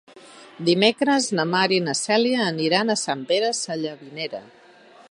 Dimecres na Mar i na Cèlia aniran a Sant Pere Sallavinera.